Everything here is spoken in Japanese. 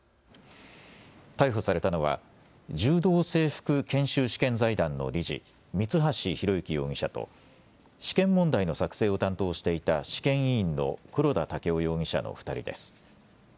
逮捕されたのは柔道整復研修試験財団の理事、三橋裕之容疑者と試験問題の作成を担当していた試験委員の黒田剛生容疑者の２人です。